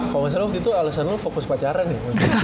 kalo misalnya lo waktu itu alesan lo fokus pacaran ya